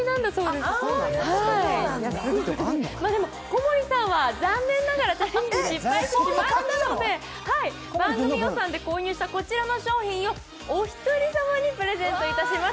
でも小森さんは残念ながらチャレンジに失敗しちゃったので番組予算で購入したこちらの商品をお一人様にプレゼントいたします。